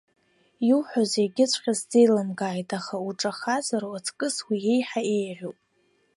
Иуҳәаз зегьҵәҟьа сзеилымкааит, аха уҿахазар аҵкыс уи еиҳа еиӷьуп.